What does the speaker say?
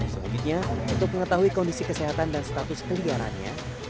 sebenarnya untuk mengetahui kondisi kesehatan dan status keliarannya